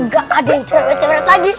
gak ada yang curang curang lagi